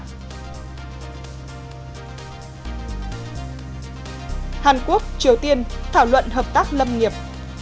hàn quốc triều tiên thảo luận hợp tác lâm nghiệp